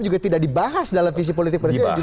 juga tidak dibahas dalam visi politik presiden